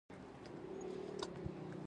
د باختر سرو زرو پیالې د اپولو انځور لري